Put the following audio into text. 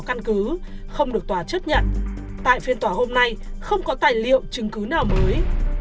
căn cứ không được tòa chấp nhận tại phiên tòa hôm nay không có tài liệu chứng cứ nào mới